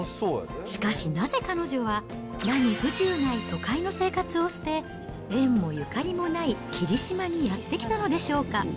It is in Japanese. しかしなぜ彼女は、何不自由ない都会の生活を捨て、縁もゆかりもない霧島にやって来たのでしょうか。